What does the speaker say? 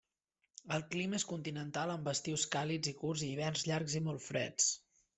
El clima és continental amb estius càlids i curts i hiverns llargs i molt freds.